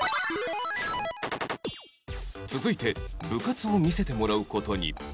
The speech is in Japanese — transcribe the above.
続いて部活を見せてもらう事に